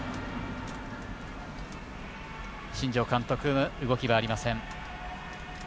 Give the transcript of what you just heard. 新庄監督、動きがありません。